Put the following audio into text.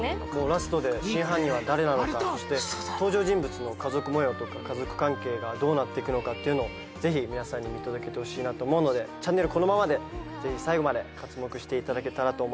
ラストで真犯人は誰なのかそして登場人物の家族模様とか家族関係がどうなっていくのかっていうのをぜひ皆さんに見届けてほしいなと思うのでチャンネルはこのままでぜひ最後まで刮目していただけたらと思います